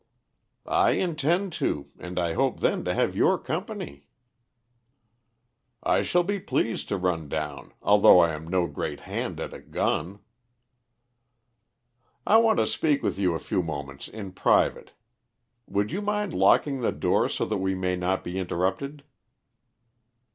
"I intend to, and I hope then to have your company." "I shall be pleased to run down, although I am no great hand at a gun." "I want to speak with you a few moments in private. Would you mind locking the door so that we may not be interrupted?"